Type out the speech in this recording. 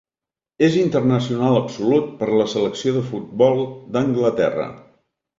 És internacional absolut per la selecció de futbol d'Anglaterra.